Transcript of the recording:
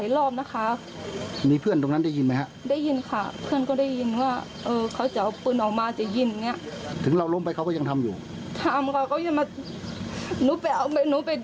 แล้วตอนนั้นเพื่อนเขาห้ามไหมครับ